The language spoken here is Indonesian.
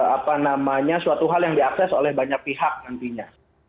apa namanya suatu hal yang diakses oleh banyak pihak nantinya